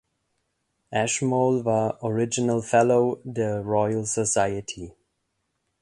Ashmole war „Original Fellow“ der Royal Society.